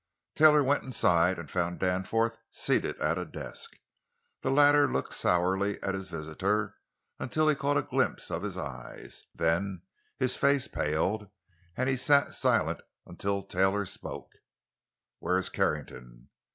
Taylor went inside, and found Danforth seated at a desk. The latter looked sourly at his visitor until he caught a glimpse of his eyes, then his face paled, and he sat silent until Taylor spoke: "Where's Carrington?"